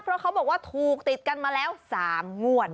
เพราะเขาบอกว่าถูกติดกันมาแล้ว๓งวด